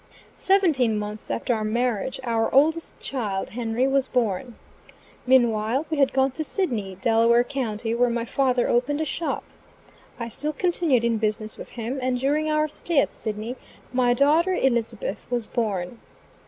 Seventeen months after our marriage, our oldest child, Henry, was born. Meanwhile we had gone to Sidney, Delaware County, where my father opened a shop. I still continued in business with him, and during our stay at Sidney, my daughter, Elizabeth, was born.